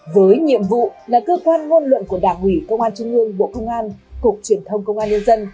với nhiệm vụ là cơ quan ngôn luận của đảng ủy công an trung ương bộ công an cục truyền thông công an nhân dân